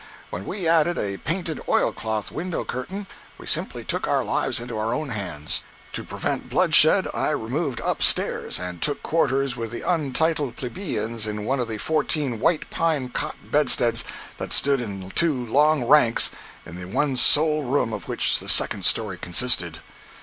When we added a painted oilcloth window curtain, we simply took our lives into our own hands. To prevent bloodshed I removed up stairs and took up quarters with the untitled plebeians in one of the fourteen white pine cot bedsteads that stood in two long ranks in the one sole room of which the second story consisted.